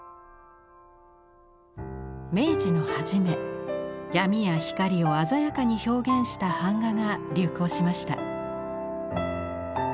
明治の初め闇や光を鮮やかに表現した版画が流行しました。